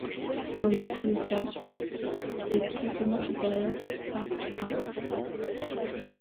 Dans beaucoup de cas, ℵ est strictement supérieur à α.